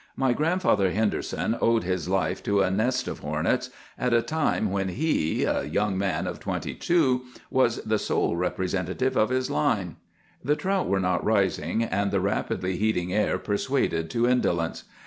My Grandfather Henderson owed his life to a nest of hornets at a time when he, a young man of twenty two, was the sole representative of his line.' "The trout were not rising, and the rapidly heating air persuaded to indolence.